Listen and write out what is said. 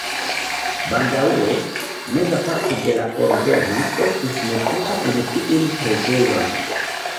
Baldaŭe meza parto de la orgeno estis metita en tiun preĝejon.